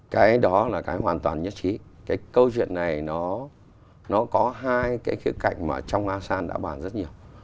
cái đó là cái hoàn toàn nhất trí cái câu chuyện này nó có hai cái khía cạnh mà trong asean đã bàn rất nhiều